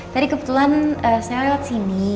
tadi kebetulan saya lewat sini